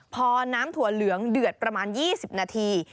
พอน้ำถั่วเหลืองเดือดประมาณ๒๐นาที